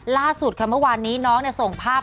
ล่าสุดค่ะเมื่อวานนี้น้องส่งภาพ